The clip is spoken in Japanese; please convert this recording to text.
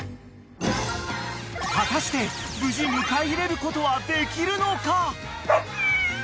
［果たして無事迎え入れることはできるのか？］